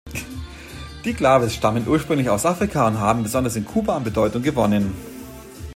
Die Claves stammen ursprünglich aus Afrika und haben besonders in Kuba an Bedeutung gewonnen.